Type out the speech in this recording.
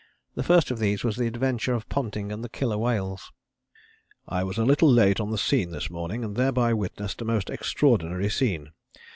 The first of these was the adventure of Ponting and the Killer whales. "I was a little late on the scene this morning, and thereby witnessed a most extraordinary scene.